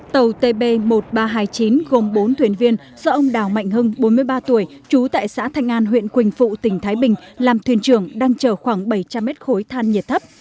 tàu tb một nghìn ba trăm hai mươi chín gồm bốn thuyền viên do ông đào mạnh hưng bốn mươi ba tuổi trú tại xã thanh an huyện quỳnh phụ tỉnh thái bình làm thuyền trưởng đang chở khoảng bảy trăm linh mét khối than nhiệt thấp